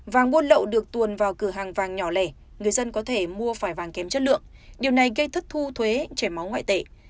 vàng buôn lậu được tuồn vào cửa hàng vàng nhỏ lẻ người dân có thể mua phải vàng kém chất lượng điều này gây thất thu thuế chảy máu ngoại tệ